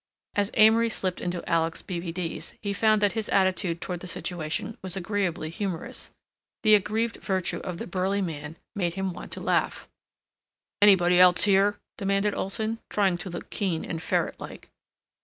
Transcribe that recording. As Amory slipped into Alec's B. V. D.'s he found that his attitude toward the situation was agreeably humorous. The aggrieved virtue of the burly man made him want to laugh. "Anybody else here?" demanded Olson, trying to look keen and ferret like.